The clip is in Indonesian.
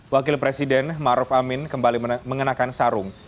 wakil presiden maruf amin kembali mengenakan sarung